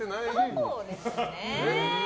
そうですね。